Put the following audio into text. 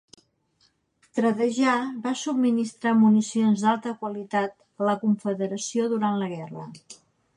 Tredegar va subministrar municions d'alta qualitat a la Confederació durant la guerra.